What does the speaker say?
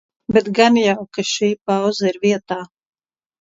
Bet gan jau, ka šī pauze ir vietā.